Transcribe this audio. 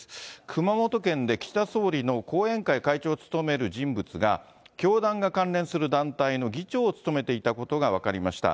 熊本県で岸田総理の後援会会長を務める人物が、教団が関連する団体の議長を務めていたことが分かりました。